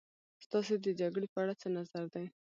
ستاسې د جګړې په اړه څه نظر دی.